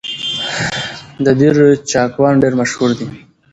د دير چاکوان ډېر مشهور دي